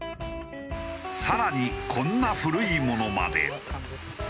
更にこんな古いものまで。